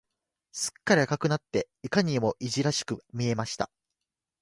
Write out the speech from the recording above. すっかり赤くなって、いかにもいじらしく見えました。